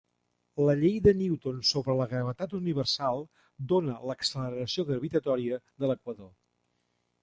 La llei de Newton sobre la gravetat universal dona l'"acceleració gravitatòria" de l'equador.